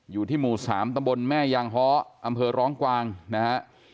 อยู่ที่หมู่๓ตำบลแม่ยางฮ้ออำเภอร้องกวางนะฮะ